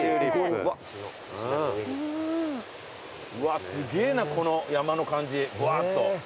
うわすげぇなこの山の感じぶわっと。